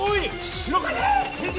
白金！